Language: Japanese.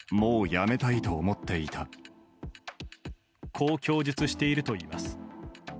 こう供述しているといいます。